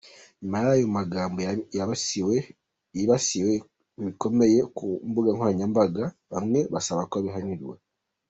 Nyuma y’ayo magambo yibasiwe bikomeye ku mbuga nkoranyambaga, bamwe basaba ko abihanirwa.